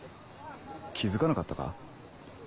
気付かなかったか？